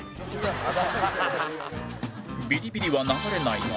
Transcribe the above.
ビリビリは流れないが